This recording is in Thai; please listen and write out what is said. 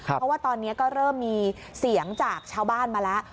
เพราะว่าตอนนี้ก็เริ่มมีเสียงจากชาวบ้านมาแล้ว